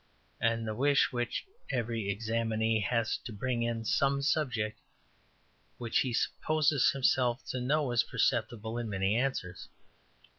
'' And the wish which every examinee has to bring in some subject which he supposes himself to know is perceptible in many answers.